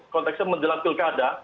konteksnya menjelang pilkada